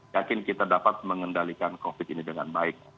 yakin kita dapat mengendalikan covid ini dengan baik